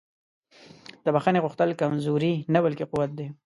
د بښنې غوښتل کمزوري نه بلکې قوت دی.